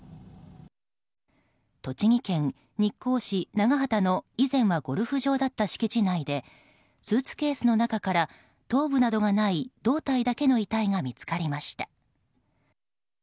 栃木県日光市長畑の以前はゴルフ場だった敷地内でスーツーケースの中から頭部などがない胴体だけの遺体が見つかりました。